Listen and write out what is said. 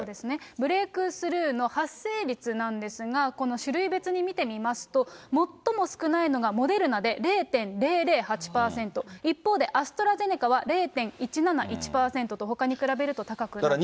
ブレークスルーの発生率なんですが、この種類別に見てみますと、最も少ないのがモデルナで０．００８％、一方でアストラゼネカは０．１７１％と、ほかに比べると高くなっています。